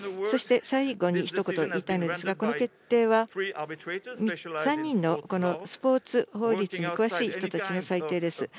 そして、最後にひと言言いたいのですが、この決定は、３人のスポーツ法律に詳しい人たちの裁定です。